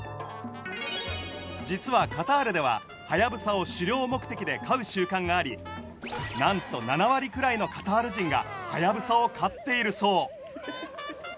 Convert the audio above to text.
実はカタールではハヤブサを狩猟目的で飼う習慣がありなんと７割くらいのカタール人がハヤブサを飼っているそう。